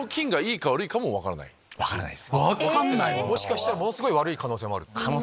もしかしたらものすごい悪い可能性もある。